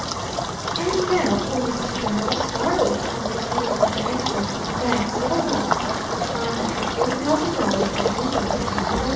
And now poor Mrs. Turner was startled on receiving her bank book from the bank, settled up, to find that her four thousand dollars had dwindled down to $1812.